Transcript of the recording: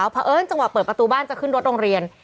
เพราะเอิญจังหวะเปิดประตูบ้านจะขึ้นรถโรงเรียน